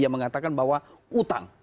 yang mengatakan bahwa utang